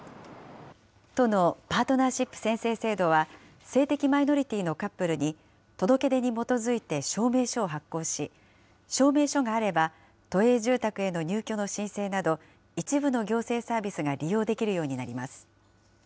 都のパートナーシップ宣誓制度は、性的マイノリティーのカップルに、届け出に基づいて証明書を発行し、証明書があれば、都営住宅の入居の申請など、一部の行政サービスが利用できるようになります。